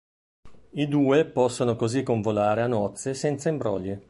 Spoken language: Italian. I due possono così convolare a nozze senza imbrogli.